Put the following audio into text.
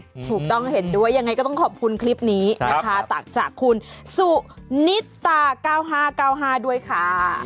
ถูกต้องเห็นด้วยยังไงก็ต้องขอบคุณคลิปนี้นะคะตักจากคุณสุนิตา๙๕๙๕ด้วยค่ะ